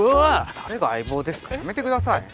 誰が相棒ですかやめてください。